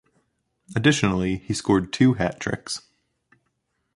Additionally, he scored two hat-tricks.